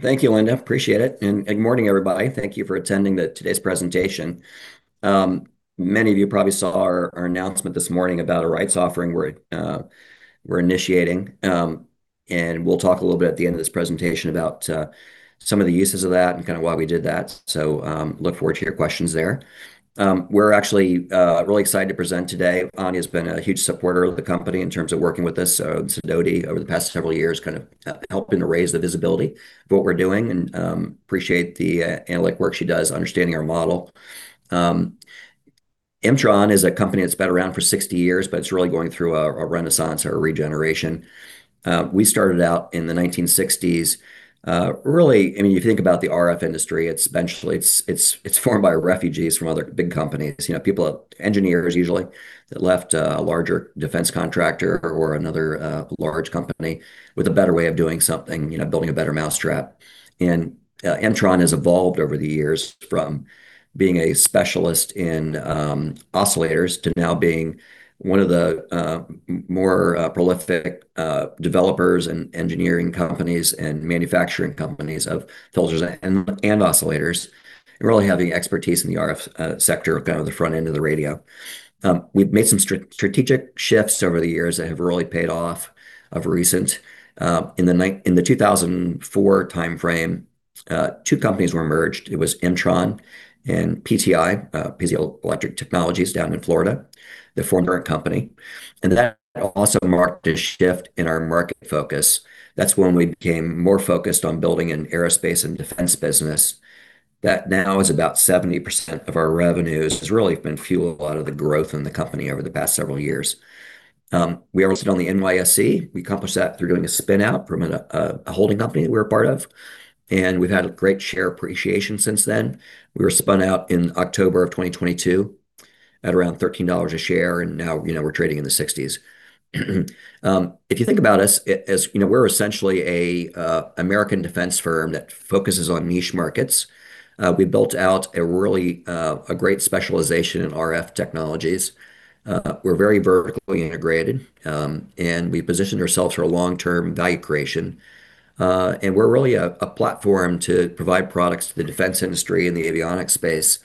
Thank you, Linda. Appreciate it. Good morning, everybody. Thank you for attending the today's presentation. Many of you probably saw our announcement this morning about a rights offering we're initiating. We'll talk a little bit at the end of this presentation about some of the uses of that and kinda why we did that. Look forward to your questions there. We're actually really excited to present today. Anja has been a huge supporter of the company in terms of working with us, so has been Sidoti over the past several years, kind of helping to raise the visibility of what we're doing and appreciate the analytic work she does understanding our model. M-tron is a company that's been around for 60 years, but it's really going through a renaissance or a regeneration. We started out in the 1960s. Really, I mean, you think about the RF industry, it's eventually formed by refugees from other big companies. You know, people, engineers usually, that left a larger defense contractor or another large company with a better way of doing something, you know, building a better mousetrap. M-tron has evolved over the years from being a specialist in oscillators to now being one of the more prolific developers and engineering companies and manufacturing companies of filters and oscillators, and really having expertise in the RF sector, kind of the front end of the radio. We've made some strategic shifts over the years that have really paid off recently. In the 2004 timeframe, two companies were merged. It was M-tron and PTI, Piezo Technology down in Florida, the former company. That also marked a shift in our market focus. That's when we became more focused on building an aerospace and defense business that now is about 70% of our revenues, has really been fueled a lot of the growth in the company over the past several years. We are listed on the NYSE. We accomplished that through doing a spin-out from a holding company that we're a part of, and we've had a great share appreciation since then. We were spun out in October of 2022 at around $13 a share, and now, you know, we're trading in the $60s. If you think about us, you know, we're essentially a American defense firm that focuses on niche markets. We built out a really great specialization in RF technologies. We're very vertically integrated, and we positioned ourselves for a long-term value creation. We're really a platform to provide products to the defense industry and the avionics space.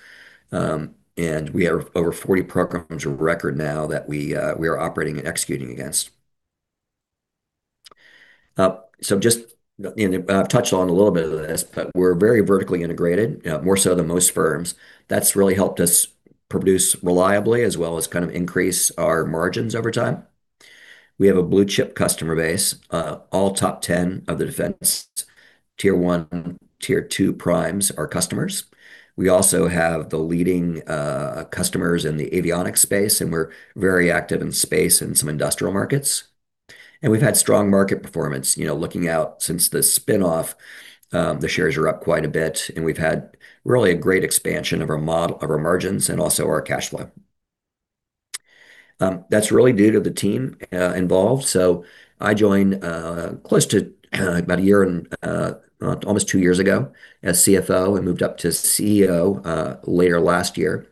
We have over 40 programs of record now that we are operating and executing against. Just, you know, I've touched on a little bit of this, but we're very vertically integrated, more so than most firms. That's really helped us produce reliably as well as kind of increase our margins over time. We have a blue-chip customer base. All top 10 of the defense Tier One, Tier Two Primes are customers. We also have the leading customers in the avionics space, and we're very active in space and some industrial markets. We've had strong market performance. You know, looking out since the spin-off, the shares are up quite a bit, and we've had really a great expansion of our margins and also our cash flow. That's really due to the team involved. I joined close to about a year and almost two years ago as CFO and moved up to CEO later last year.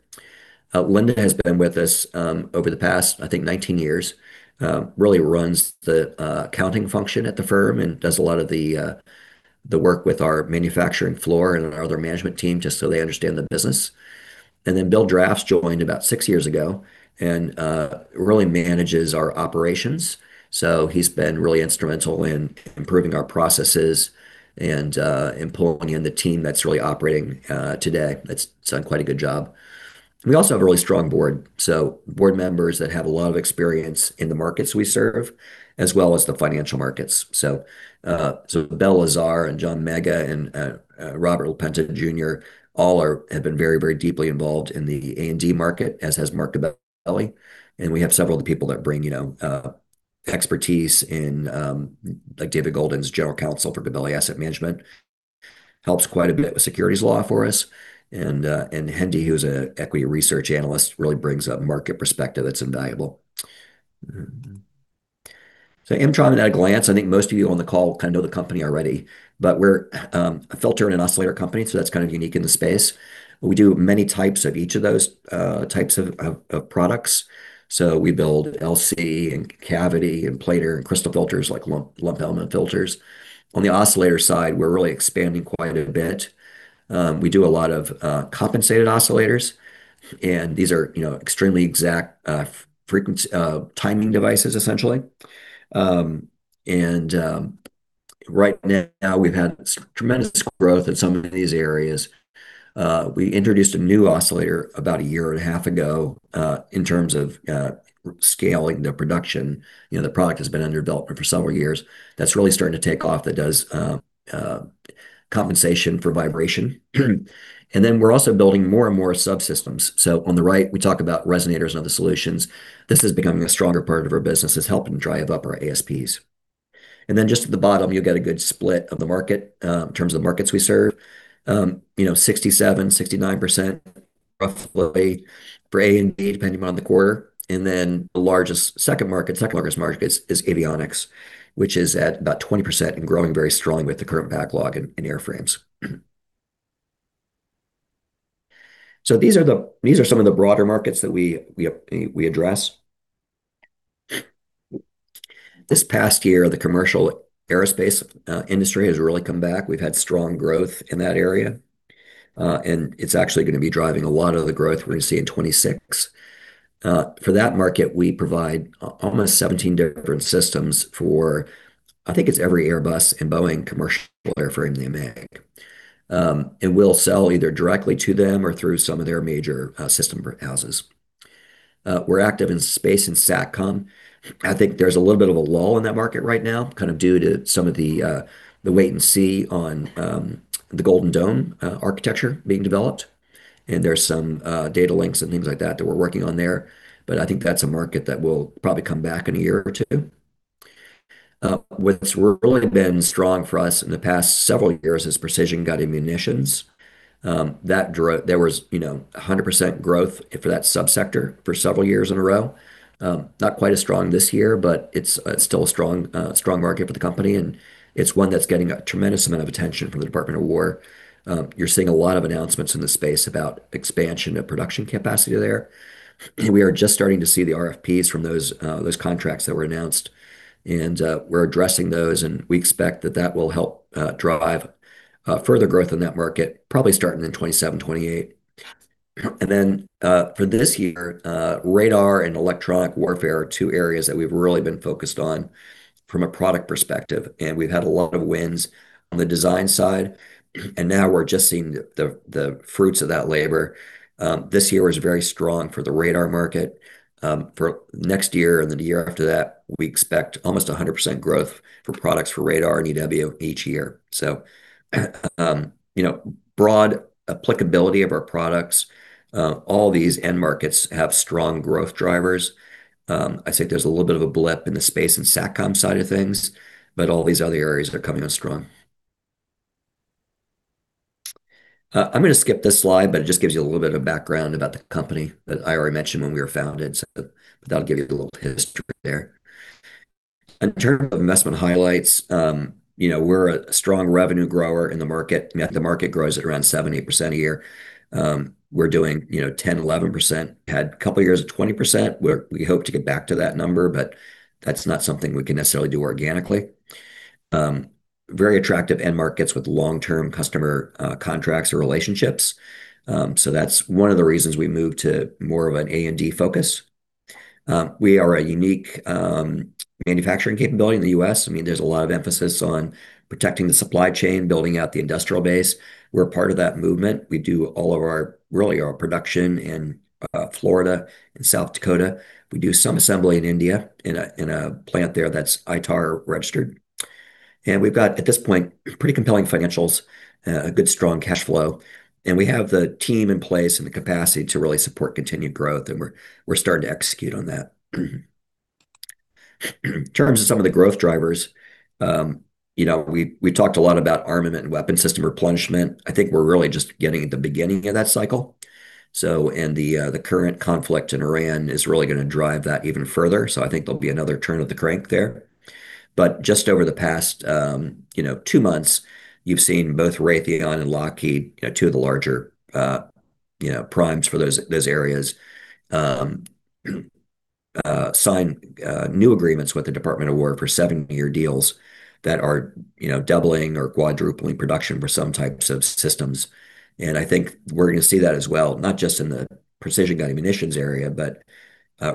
Linda has been with us over the past, I think 19 years. Really runs the accounting function at the firm and does a lot of the work with our manufacturing floor and our other management team, just so they understand the business. Then Bill Drafts joined about six years ago and really manages our operations. He's been really instrumental in improving our processes and employing the team that's really operating today. That's done quite a good job. We also have a really strong board, so Board Members that have a lot of experience in the markets we serve, as well as the financial markets. Bel Lazar and John S. Mega and Rob LaPenta Jr. have been very deeply involved in the A&D market, as has Marc Gabelli. We have several of the people that bring, you know, expertise in, like David Goldman's General Counsel for GAMCO Asset Management, helps quite a bit with securities law for us. Hendi, who's an equity research analyst, really brings a market perspective that's invaluable. M-tron at a glance, I think most of you on the call kind of know the company already, but we're a filter and an oscillator company, so that's kind of unique in the space. We do many types of each of those types of products. We build lc and cavity and planar and crystal filters like lumped element filters. On the oscillator side, we're really expanding quite a bit. We do a lot of compensated oscillators, and these are, you know, extremely exact timing devices, essentially. Right now we've had tremendous growth in some of these areas. We introduced a new oscillator about a year and a half ago in terms of scaling the production. You know, the product has been under development for several years. That's really starting to take off. That does compensation for vibration. Then we're also building more and more subsystems. On the right, we talk about resonators and other solutions. This is becoming a stronger part of our business. It's helping drive up our ASPs. Then just at the bottom, you'll get a good split of the market, in terms of the markets we serve. You know, 67%-69%, roughly for A&D, depending upon the quarter. Then the second-largest market is avionics, which is at about 20% and growing very strongly with the current backlog in airframes. These are some of the broader markets that we address. This past year, the commercial aerospace industry has really come back. We've had strong growth in that area, and it's actually gonna be driving a lot of the growth we're gonna see in 2026. For that market, we provide almost 17 different systems for I think it's every Airbus and Boeing commercial airframe they make. We'll sell either directly to them or through some of their major system houses. We're active in space and SATCOM. I think there's a little bit of a lull in that market right now, kind of due to some of the wait and see on the Golden Dome architecture being developed, and there's some data links and things like that that we're working on there. I think that's a market that will probably come back in a year or two. What's really been strong for us in the past several years is precision guided munitions. There was, you know, 100% growth for that sub-sector for several years in a row. Not quite as strong this year, but it's still a strong market for the company, and it's one that's getting a tremendous amount of attention from the Department of War. You're seeing a lot of announcements in the space about expansion of production capacity there. We are just starting to see the RFPs from those contracts that were announced, and we're addressing those, and we expect that will help drive further growth in that market, probably starting in 2027-2028. For this year, radar and electronic warfare are two areas that we've really been focused on from a product perspective, and we've had a lot of wins on the design side, and now we're just seeing the fruits of that labor. This year was very strong for the radar market. For next year and the year after that, we expect almost 100% growth for products for radar and EW each year. You know, broad applicability of our products. All these end markets have strong growth drivers. I'd say there's a little bit of a blip in the space and SATCOM side of things, but all these other areas are coming on strong. I'm gonna skip this slide, but it just gives you a little bit of background about the company. I already mentioned when we were founded, so that'll give you a little history there. In terms of investment highlights, you know, we're a strong revenue grower in the market. The market grows at around 7%-8% a year. We're doing, you know, 10%-11%. Had a couple years of 20%. We hope to get back to that number, but that's not something we can necessarily do organically. Very attractive end markets with long-term customer contracts or relationships. So that's one of the reasons we moved to more of an A&D focus. We are a unique manufacturing capability in the U.S. I mean, there's a lot of emphasis on protecting the supply chain, building out the industrial base. We're part of that movement. We do all of our, really all production in Florida and South Dakota. We do some assembly in India in a plant there that's ITAR registered. We've got, at this point, pretty compelling financials, a good strong cash flow, and we have the team in place and the capacity to really support continued growth, and we're starting to execute on that. In terms of some of the growth drivers, you know, we talked a lot about armament and weapon system replenishment. I think we're really just getting at the beginning of that cycle. The current conflict in Iran is really gonna drive that even further, so I think there'll be another turn of the crank there. Just over the past, you know, two months, you've seen both Raytheon and Lockheed, you know, two of the larger, you know, primes for those areas, sign new agreements with the Department of Defense for seven-year deals that are, you know, doubling or quadrupling production for some types of systems. I think we're gonna see that as well, not just in the precision guided munitions area, but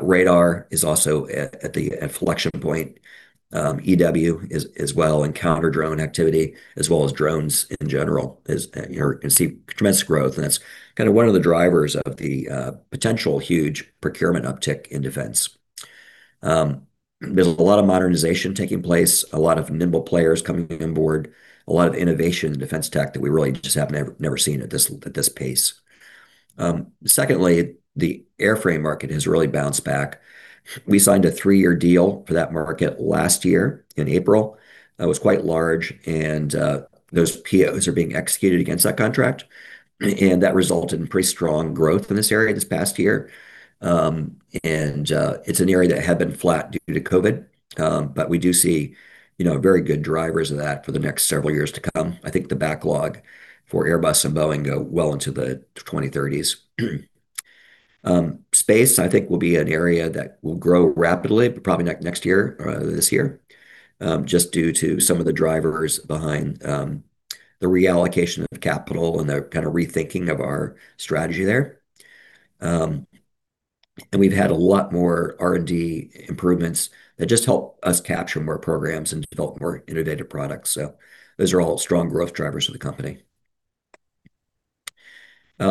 radar is also at the inflection point. EW as well, and counter drone activity, as well as drones in general is, you know, gonna see tremendous growth. That's kinda one of the drivers of the potential huge procurement uptick in defense. There's a lot of modernization taking place, a lot of nimble players coming on board, a lot of innovation in defense tech that we really just have never seen at this pace. Secondly, the airframe market has really bounced back. We signed a three-year deal for that market last year in April. That was quite large, and those POs are being executed against that contract, and that resulted in pretty strong growth in this area this past year. It's an area that had been flat due to COVID, but we do see, you know, very good drivers of that for the next several years to come. I think the backlog for Airbus and Boeing goes well into the 2030s. Space I think will be an area that will grow rapidly, probably next year, this year, just due to some of the drivers behind the reallocation of capital and the kinda rethinking of our strategy there. We've had a lot more R&D improvements that just help us capture more programs and develop more innovative products. Those are all strong growth drivers for the company.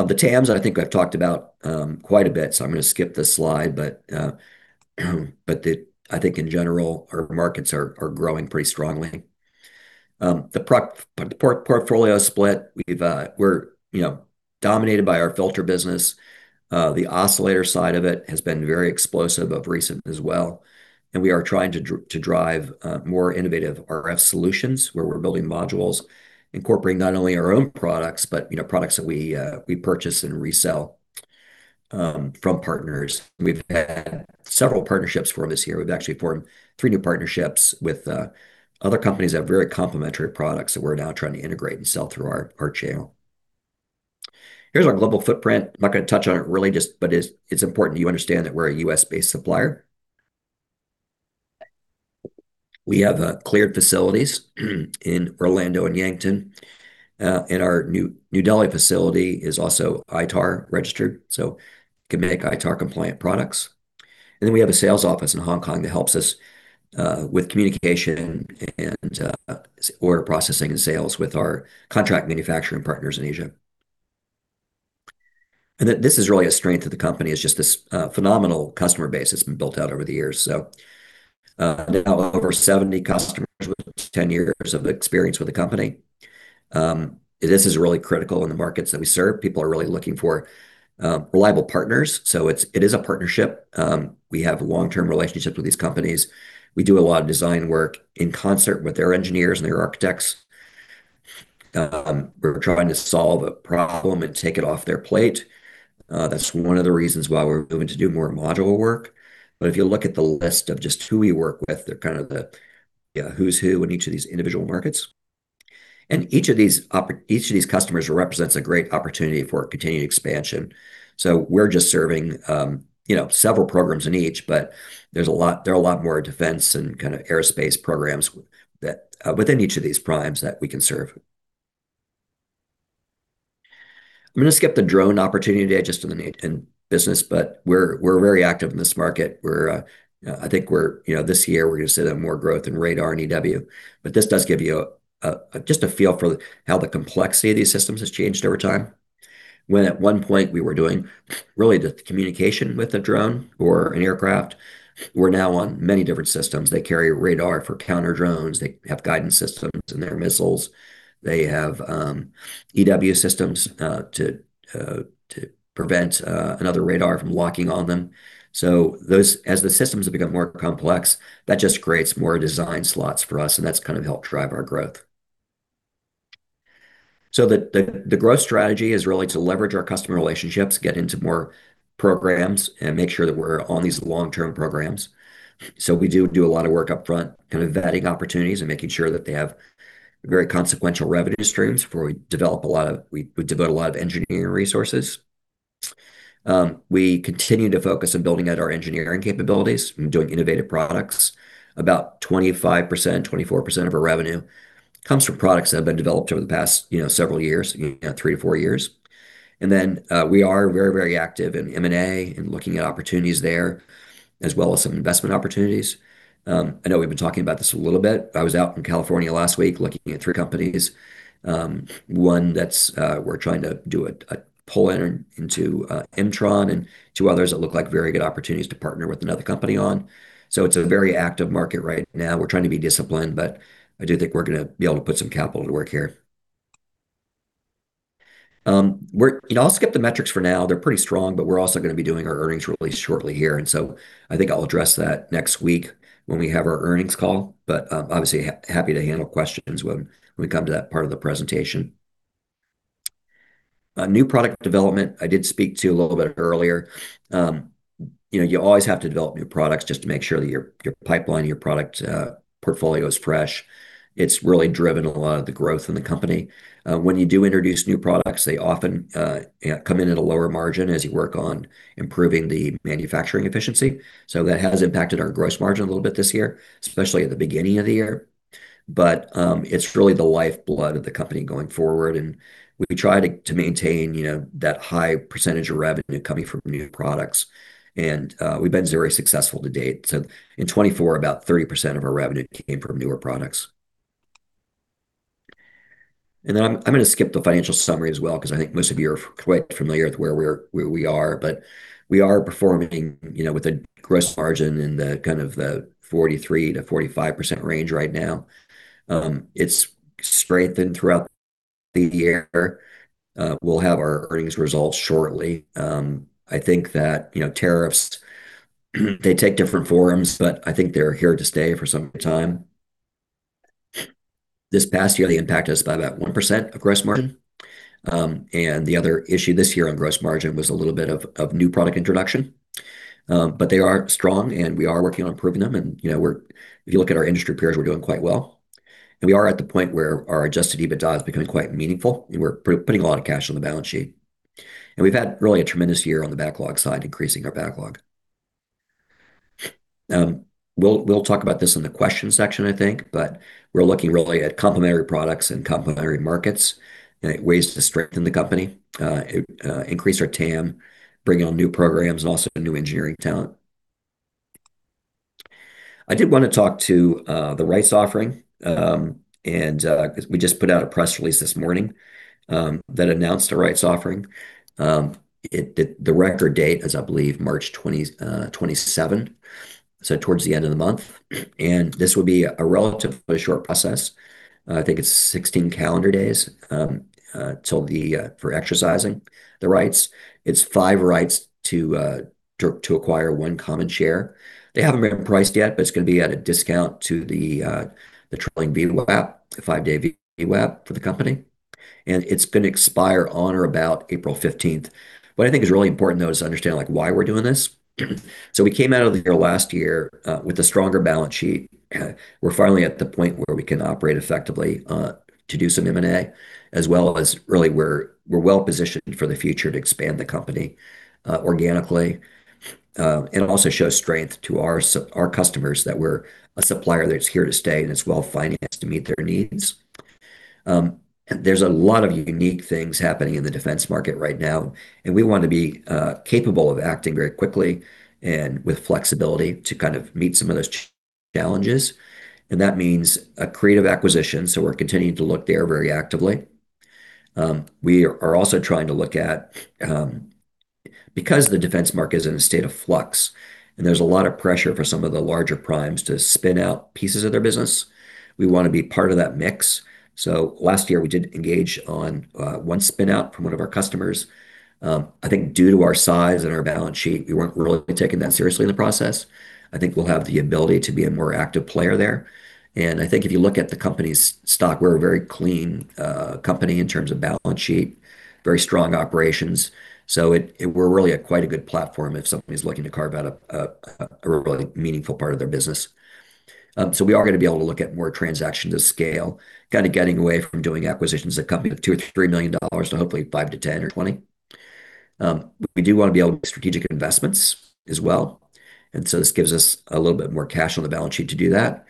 The TAMs I think I've talked about quite a bit, so I'm gonna skip this slide. I think in general, our markets are growing pretty strongly. The portfolio split, we're, you know, dominated by our filter business. The oscillator side of it has been very explosive of late as well, and we are trying to drive more innovative RF solutions where we're building modules, incorporating not only our own products but, you know, products that we purchase and resell from partners. We've had several partnerships for this year. We've actually formed three new partnerships with other companies that have very complementary products that we're now trying to integrate and sell through our channel. Here's our global footprint. I'm not gonna touch on it really just but it's important you understand that we're a U.S.-based supplier. We have cleared facilities in Orlando and Yankton. And our New Delhi facility is also ITAR registered, so can make ITAR-compliant products. We have a sales office in Hong Kong that helps us with communication and order processing and sales with our contract manufacturing partners in Asia. This is really a strength of the company, is just this phenomenal customer base that's been built out over the years. Now over 70 customers with 10 years of experience with the company. This is really critical in the markets that we serve. People are really looking for reliable partners, so it's, it is a partnership. We have long-term relationships with these companies. We do a lot of design work in concert with their engineers and their architects. We're trying to solve a problem and take it off their plate. That's one of the reasons why we're moving to do more modular work. If you look at the list of just who we work with, they're kind of the, you know, who's who in each of these individual markets. Each of these customers represents a great opportunity for continued expansion. We're just serving, you know, several programs in each, but there are a lot more defense and kinda aerospace programs that within each of these primes that we can serve. I'm gonna skip the drone opportunity today just in business, but we're very active in this market. I think we're, you know, this year we're gonna see that more growth in radar and EW. This does give you just a feel for how the complexity of these systems has changed over time. When at one point we were doing really the communication with a drone or an aircraft, we're now on many different systems. They carry radar for counter drones. They have guidance systems in their missiles. They have EW systems to prevent another radar from locking on them. As the systems have become more complex, that just creates more design slots for us, and that's kind of helped drive our growth. The growth strategy is really to leverage our customer relationships, get into more programs, and make sure that we're on these long-term programs. We do a lot of work upfront, kind of vetting opportunities and making sure that they have very consequential revenue streams before we devote a lot of engineering resources. We continue to focus on building out our engineering capabilities and doing innovative products. About 25%, 24% of our revenue comes from products that have been developed over the past, you know, several years, you know, three to four years. We are very active in M&A and looking at opportunities there, as well as some investment opportunities. I know we've been talking about this a little bit. I was out in California last week looking at three companies. One that's we're trying to do a pull in into M-tron and two others that look like very good opportunities to partner with another company on. It's a very active market right now. We're trying to be disciplined, but I do think we're gonna be able to put some capital to work here. You know, I'll skip the metrics for now. They're pretty strong, but we're also gonna be doing our earnings release shortly here, and so I think I'll address that next week when we have our earnings call. Obviously happy to handle questions when we come to that part of the presentation. New product development, I did speak to a little bit earlier. You know, you always have to develop new products just to make sure that your pipeline and your product portfolio is fresh. It's really driven a lot of the growth in the company. When you do introduce new products, they often come in at a lower margin as you work on improving the manufacturing efficiency. That has impacted our gross margin a little bit this year, especially at the beginning of the year. it's really the lifeblood of the company going forward, and we try to maintain, you know, that high percentage of revenue coming from new products. We've been very successful to date. In 2024, about 30% of our revenue came from newer products. Then I'm gonna skip the financial summary as well 'cause I think most of you are quite familiar with where we are. We are performing, you know, with a gross margin in the kind of the 43%-45% range right now. It's strengthened throughout the year. We'll have our earnings results shortly. I think that, you know, tariffs, they take different forms, but I think they're here to stay for some time. This past year, they impacted us by about 1% of gross margin. The other issue this year on gross margin was a little bit of new product introduction. They are strong, and we are working on improving them and, you know, if you look at our industry peers, we're doing quite well. We are at the point where our Adjusted EBITDA is becoming quite meaningful, and we're putting a lot of cash on the balance sheet. We've had really a tremendous year on the backlog side, increasing our backlog. We'll talk about this in the question section, I think, but we're looking really at complementary products and complementary markets and ways to strengthen the company, increase our TAM, bring on new programs, and also new engineering talent. I did wanna talk about the rights offering, and 'cause we just put out a press release this morning that announced the rights offering. The record date is, I believe, March 27, so towards the end of the month. This will be a relatively short process. I think it's 16 calendar days for exercising the rights. It's five rights to acquire one common share. They haven't been priced yet, but it's gonna be at a discount to the trailing VWAP, the five-day VWAP for the company. It's gonna expire on or about April 15th. What I think is really important, though, is to understand, like, why we're doing this. We came out of the year last year with a stronger balance sheet. We're finally at the point where we can operate effectively to do some M&A as well as really we're well-positioned for the future to expand the company organically. It'll also show strength to our customers that we're a supplier that's here to stay and is well-financed to meet their needs. There's a lot of unique things happening in the defense market right now, and we wanna be capable of acting very quickly and with flexibility to kind of meet some of those challenges, and that means creative acquisition, so we're continuing to look there very actively. We are also trying to look at, because the defense market is in a state of flux and there's a lot of pressure for some of the larger primes to spin out pieces of their business, we wanna be part of that mix. Last year we did engage on one spin out from one of our customers. I think due to our size and our balance sheet, we weren't really taken that seriously in the process. I think we'll have the ability to be a more active player there. I think if you look at the company's stock, we're a very clean company in terms of balance sheet, very strong operations, so we're really quite a good platform if somebody's looking to carve out a really meaningful part of their business. We are gonna be able to look at more transactions to scale, kind of getting away from doing acquisitions that come in at $2million-$3 million to hopefully $5 million-$10 million or $20 million. We do wanna be able to make strategic investments as well, and so this gives us a little bit more cash on the balance sheet to do that.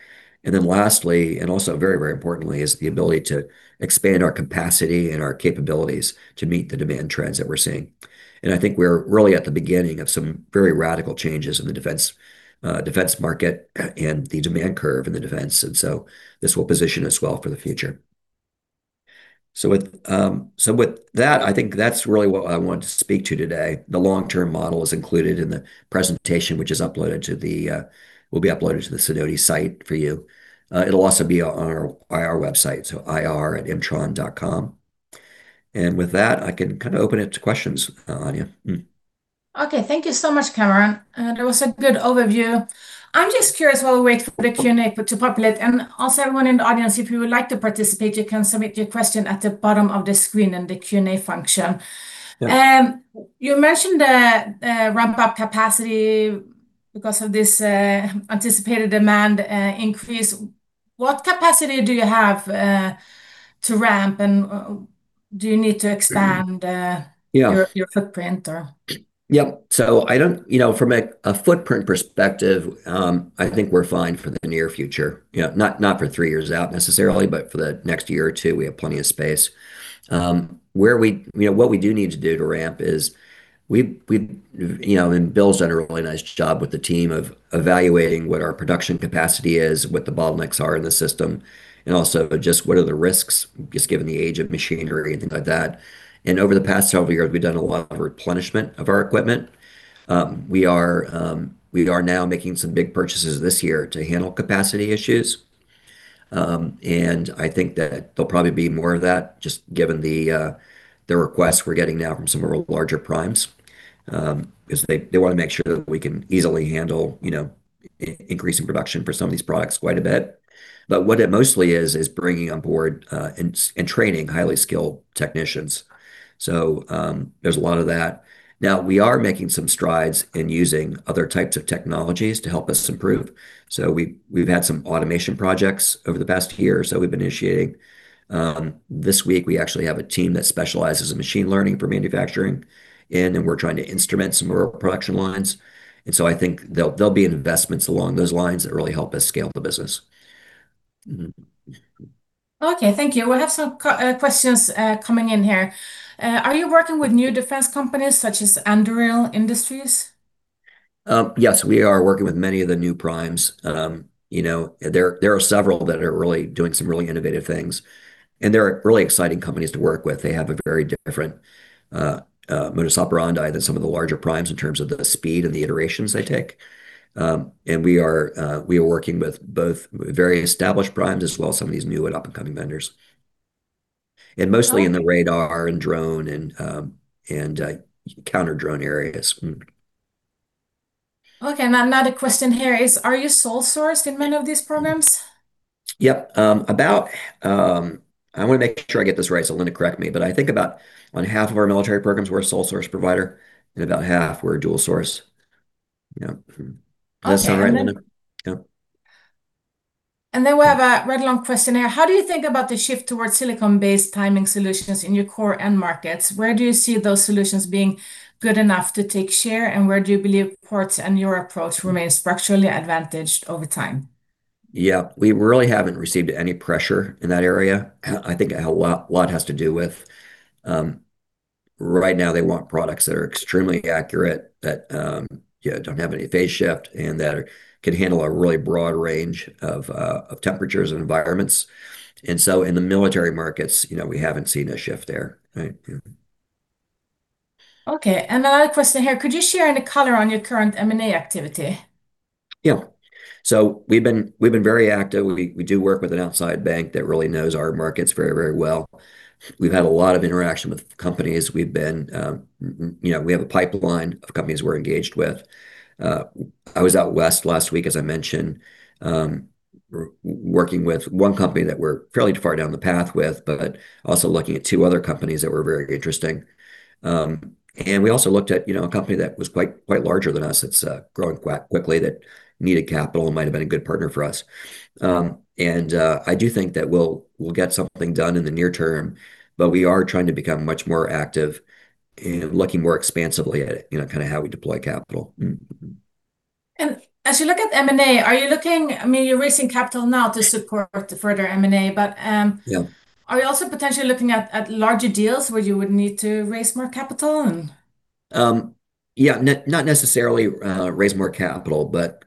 Lastly, and also very, very importantly, is the ability to expand our capacity and our capabilities to meet the demand trends that we're seeing. I think we're really at the beginning of some very radical changes in the defense market and the demand curve in the defense, and so this will position us well for the future. With that, I think that's really what I wanted to speak to today. The long-term model is included in the presentation, which will be uploaded to the Sidoti site for you. It'll also be on our IR website, so ir@mtron.com. With that, I can kind of open it to questions, Anja. Okay, thank you so much, Cameron. That was a good overview. I'm just curious while we wait for the Q&A to populate, and also everyone in the audience, if you would like to participate, you can submit your question at the bottom of the screen in the Q&A function. Yeah. You mentioned the ramp-up capacity because of this anticipated demand increase. What capacity do you have to ramp, and do you need to expand Yeah your footprint, or? Yep. I don't, you know, from a footprint perspective, I think we're fine for the near future. You know, not for three years out necessarily, but for the next year or two, we have plenty of space. You know, what we do need to do to ramp is we you know, and Bill's done a really nice job with the team of evaluating what our production capacity is, what the bottlenecks are in the system, and also just what are the risks just given the age of machinery and things like that. Over the past several years, we've done a lot of replenishment of our equipment. We are now making some big purchases this year to handle capacity issues. I think that there'll probably be more of that just given the requests we're getting now from some of our larger primes, 'cause they wanna make sure that we can easily handle, you know, increasing production for some of these products quite a bit. What it mostly is bringing on board and training highly skilled technicians. There's a lot of that. Now, we are making some strides in using other types of technologies to help us improve, so we've had some automation projects over the past year or so we've been initiating. This week we actually have a team that specializes in machine learning for manufacturing, and then we're trying to instrument some of our production lines. I think there'll be investments along those lines that really help us scale the business. Okay, thank you. We have some questions coming in here. Are you working with new defense companies such as Anduril Industries? Yes, we are working with many of the New Primes. You know, there are several that are really doing some really innovative things, and they're really exciting companies to work with. They have a very different modus operandi than some of the larger primes in terms of the speed and the iterations they take. We are working with both very established primes as well as some of these new and up-and-coming vendors. Oh Mostly in the radar and drone and counter-drone areas. Okay, another question here is, are you sole source in many of these programs? Yep. I wanna make sure I get this right, so Linda, correct me, but I think about one half of our military programs we're a sole source provider, and about half we're a dual source. You know? Okay. Does that sound right, Linda? Yep. We have a right along question here. How do you think about the shift towards silicon-based timing solutions in your core end markets? Where do you see those solutions being good enough to take share, and where do you believe Quartz and your approach remain structurally advantaged over time? Yeah. We really haven't received any pressure in that area. I think a lot has to do with right now they want products that are extremely accurate that you know don't have any phase shift and that are can handle a really broad range of temperatures and environments. In the military markets, you know, we haven't seen a shift there. Right. Yeah. Okay, another question here. Could you share any color on your current M&A activity? Yeah. We've been very active. We do work with an outside bank that really knows our markets very well. We've had a lot of interaction with companies. You know, we have a pipeline of companies we're engaged with. I was out West last week, as I mentioned. We're working with one company that we're fairly far down the path with, but also looking at two other companies that were very interesting. We also looked at you know, a company that was quite larger than us that's growing quickly that needed capital and might have been a good partner for us. I do think that we'll get something done in the near term, but we are trying to become much more active in looking more expansively at, you know, kind of how we deploy capital. As you look at M&A, are you looking? I mean, you're raising capital now to support the further M&A, but Yeah are you also potentially looking at larger deals where you would need to raise more capital and? Not necessarily raise more capital, but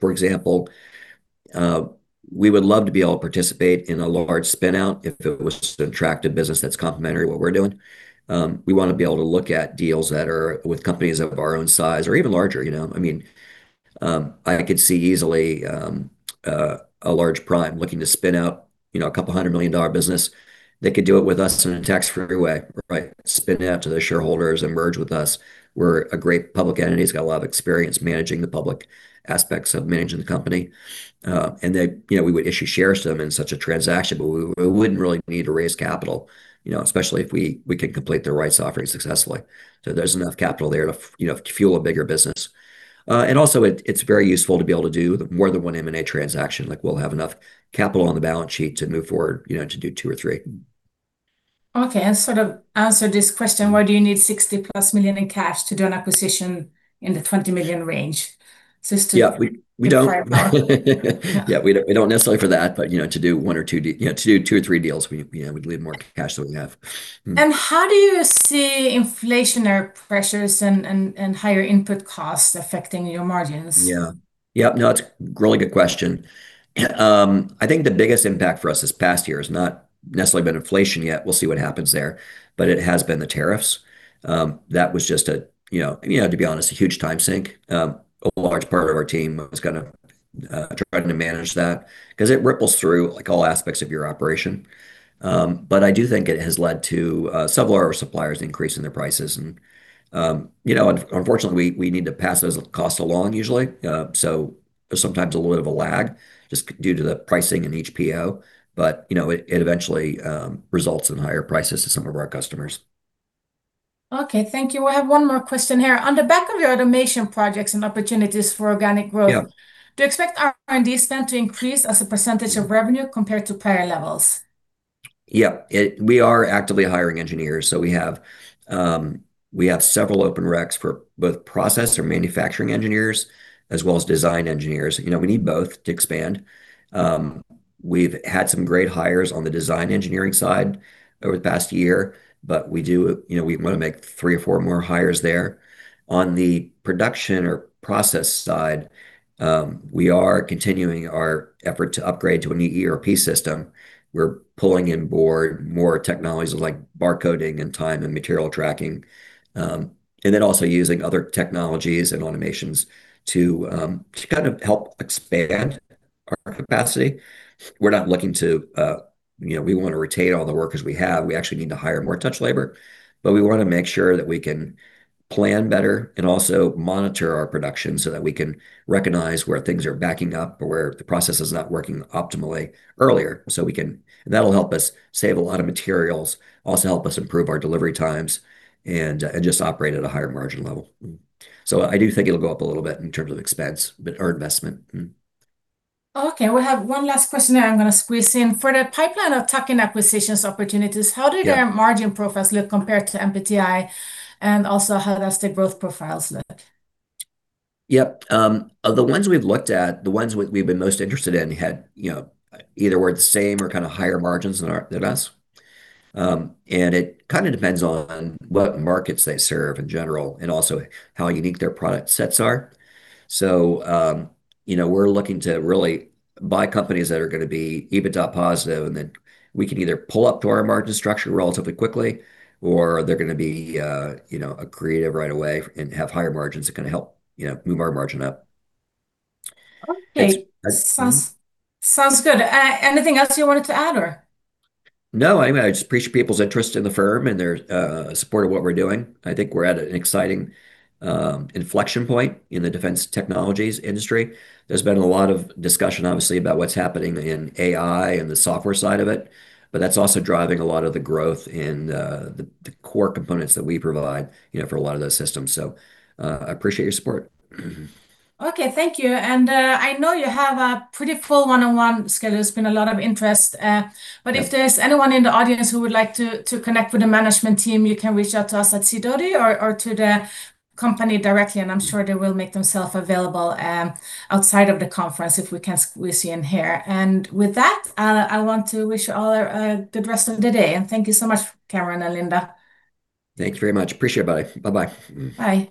for example, we would love to be able to participate in a large spin out if it was an attractive business that's complementary to what we're doing. We wanna be able to look at deals that are with companies of our own size or even larger, you know. I mean, I could see easily a large prime looking to spin out, you know, a couple of $200 million business that could do it with us in a tax-free way, right? Spin out to the shareholders and merge with us. We're a great public entity. It's got a lot of experience managing the public aspects of managing the company. They, you know, we would issue shares to them in such a transaction, but we wouldn't really need to raise capital, you know, especially if we could complete the rights offering successfully. There's enough capital there, you know, to fuel a bigger business. It's very useful to be able to do more than one M&A transaction. Like, we'll have enough capital on the balance sheet to move forward, you know, to do two or three. Okay. Sort of answer this question, why do you need $60+ million in cash to do an acquisition in the $20 million range? Yeah, we don't. Clarify. Yeah, we don't necessarily for that, but you know, to do two or three deals, we yeah, we'd need more cash than we have. How do you see inflationary pressures and higher input costs affecting your margins? No, it's really good question. I think the biggest impact for us this past year has not necessarily been inflation yet, we'll see what happens there, but it has been the tariffs. That was just a you know to be honest a huge time sink. A large part of our team was kind of trying to manage that because it ripples through like all aspects of your operation. But I do think it has led to some of our suppliers increasing their prices and you know unfortunately we need to pass those costs along usually. So there's sometimes a little bit of a lag just due to the pricing in each PO. You know it eventually results in higher prices to some of our customers. Okay. Thank you. I have one more question here. On the back of your automation projects and opportunities for organic growth, Yeah do you expect R&D spend to increase as a percentage of revenue compared to prior levels? Yeah. We are actively hiring engineers, so we have several open recs for both process or manufacturing engineers as well as design engineers. You know, we need both to expand. We've had some great hires on the design engineering side over the past year, but we do, you know, we wanna make three or four more hires there. On the production or process side, we are continuing our effort to upgrade to a new ERP system. We're pulling onboard more technologies like bar coding and time and material tracking, and then also using other technologies and automations to kind of help expand our capacity. We're not looking to, you know, we wanna retain all the workers we have. We actually need to hire more touch labor, but we wanna make sure that we can plan better and also monitor our production so that we can recognize where things are backing up or where the process is not working optimally earlier. That'll help us save a lot of materials, also help us improve our delivery times and just operate at a higher margin level. I do think it'll go up a little bit in terms of expense or investment. Okay. We have one last question that I'm gonna squeeze in. For the pipeline of tuck-in acquisitions opportunities. Yeah How do their margin profiles look compared to MPTI, and also how does the growth profiles look? Yep. Of the ones we've looked at, the ones we've been most interested in had you know either were the same or kind of higher margins than ours. It kind of depends on what markets they serve in general and also how unique their product sets are. We're looking to really buy companies that are gonna be EBITDA positive, and then we can either pull up to our margin structure relatively quickly, or they're gonna be you know accretive right away and have higher margins that kind of help you know move our margin up. Okay. That's. Sounds good. Anything else you wanted to add or? No. I mean, I just appreciate people's interest in the firm and their support of what we're doing. I think we're at an exciting inflection point in the defense technologies industry. There's been a lot of discussion obviously about what's happening in AI and the software side of it, but that's also driving a lot of the growth in the core components that we provide, you know, for a lot of those systems. Appreciate your support. Okay. Thank you. I know you have a pretty full one-on-one schedule. There's been a lot of interest. Right But if there's anyone in the audience who would like to connect with the management team, you can reach out to us at Sidoti or to the company directly, and I'm sure they will make themselves available outside of the conference if we can squeeze you in here. With that, I want to wish you all a good rest of the day. Thank you so much, Cameron and Linda. Thank you very much. Appreciate it, bye. Bye-bye. Bye.